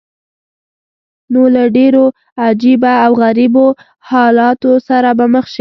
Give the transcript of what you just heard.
نو له ډېرو عجیبه او غریبو حالاتو سره به مخ شې.